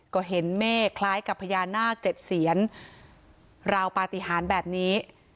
ก็เห็นเมฆคล้ายกับพญานาคเจ็ดเซียนราวปฏิหารแบบนี้